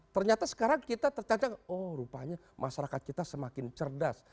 ternyata sekarang kita tercatat oh rupanya masyarakat kita semakin cerdas